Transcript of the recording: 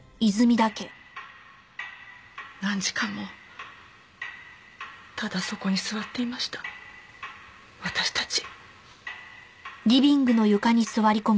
何時間もただそこに座っていました私たち。